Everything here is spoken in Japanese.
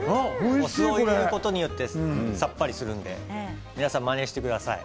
お酢を入れることでさっぱりするのでまねしてください。